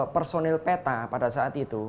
personil peta pada saat itu